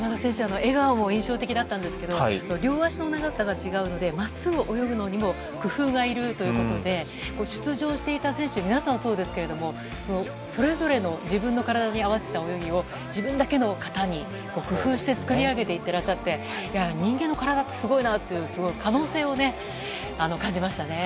笑顔も印象的だったんですが両足の長さが違うのでまっすぐ泳ぐのにも工夫がいるということで出場していた選手皆さんそうですがそれぞれ自分の体に合わせた泳ぎを自分だけの型で工夫して作り上げていて人間の体ってすごいなって可能性を感じましたね。